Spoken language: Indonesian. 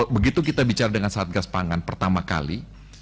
begitu kita bicara dengan saat gas pangan pertama kali